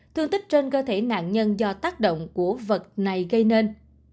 thương tích trên cơ thể nạn nhân do tác động của vật này gây nên